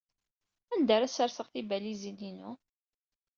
Anda ara sserseɣ tibalizin-inu?